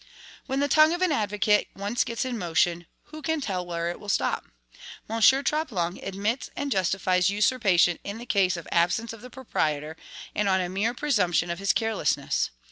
When the tongue of an advocate once gets in motion, who can tell where it will stop? M. Troplong admits and justifies usurpation in case of the ABSENCE of the proprietor, and on a mere presumption of his CARELESSNESS.